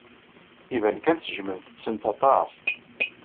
Iban kan tejjmem-tent aṭas.